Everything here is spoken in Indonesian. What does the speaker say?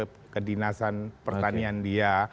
di kedinasan pertanian dia